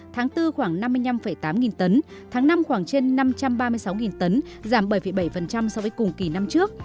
tháng bốn khoảng năm mươi năm tám nghìn tấn tháng năm khoảng trên năm trăm ba mươi sáu nghìn tấn giảm bảy bảy so với cùng kỳ năm trước